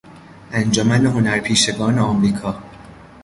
انجمن هنرپیشگان آمریکا